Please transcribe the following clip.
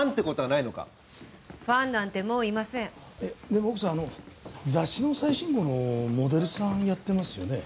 でも奥さん雑誌の最新号のモデルさんやってますよね？